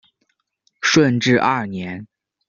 顺治二年。